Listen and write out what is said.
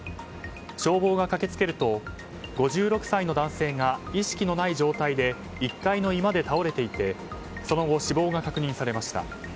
消防が駆けつけると５６歳の男性が意識のない状態で１階の居間で倒れていてその後、死亡が確認されました。